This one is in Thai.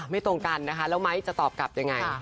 ตรงกันนะคะแล้วไม้จะตอบกลับยังไง